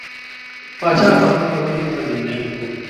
پاچا په هغه ونې باندې مین شو.